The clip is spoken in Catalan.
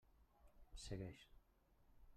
Segueix.